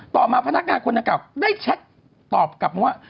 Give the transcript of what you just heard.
ต่อมาพนักงานคนดังกล่าวได้แชทตอบกลับมาว่า